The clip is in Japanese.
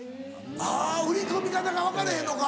あぁ売り込み方が分からへんのか。